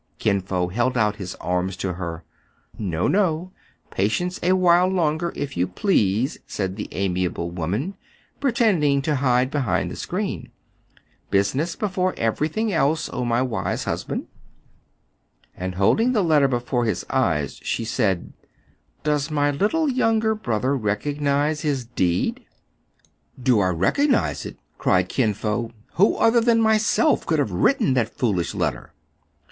Kin Fo held out his arms to her. " No, no ! patience a while longer, if you please !" said the amiable woman, pretending to hide behind the screen. " Business before every thing, O my wise husband !" And, holding the letter before his eyes, she said, —" Does my little younger brother recognize his deed .?" WHICH THE READER MIGHT HA VE WRITTEN, 271 Do I recognize it?" cried ^Cin Fo. "Who other than myself could have written that foolish letter